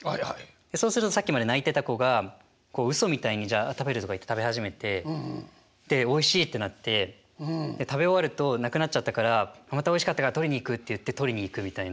そうするとさっきまで泣いてた子がうそみたいにじゃあ食べるとか言って食べ始めてでおいしいってなって食べ終わるとなくなっちゃったからまたおいしかったから捕りに行くって言って捕りに行くみたいな。